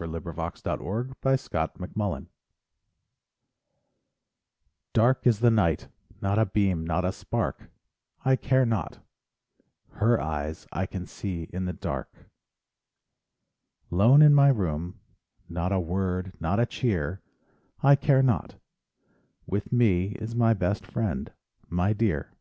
SONGS AND DREAMS Dark Is the Night Dark is the night, Not a beam, not a spark— I care not—her eyes I can see in the dark. Lone in my room, Not a word, not a cheer— I care not—with me Is my best friend—my dear.